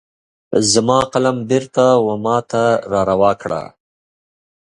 زما قلم بیرته وماته را روا کړه